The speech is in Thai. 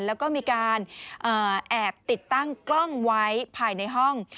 แล้วก็มีการแอบติดตั้งกล้องไว้ภายในห้อง